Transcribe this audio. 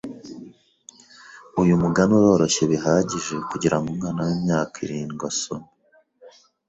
Uyu mugani uroroshye bihagije kugirango umwana wimyaka irindwi asome.